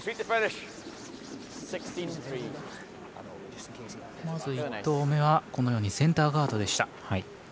まず１投目はこのようにセンターガードでした。